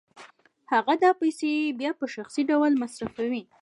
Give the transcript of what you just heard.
هغه دا پیسې بیا په شخصي ډول مصرفوي